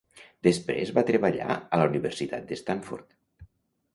Després va treballar a la Universitat de Stanford.